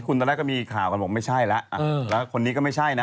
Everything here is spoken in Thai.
คุณตอนแรกก็มีข่าวกันบอกไม่ใช่แล้วแล้วคนนี้ก็ไม่ใช่นะ